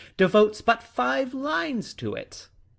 — devotes but five lines to it.